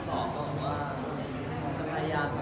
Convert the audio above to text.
แล้วก็ดื้อให้หน่อยลงไปแล้วก็เตรียมเลนส์ให้ดู